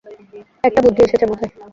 একটা বুদ্ধি এসেছে মাথায়।